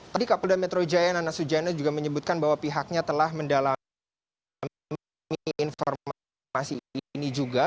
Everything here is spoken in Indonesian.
tadi kapolda metro jaya nana sujana juga menyebutkan bahwa pihaknya telah mendalami informasi ini juga